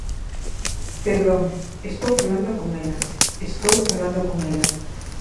Perdón, estou falando con ela, estou falando con ela.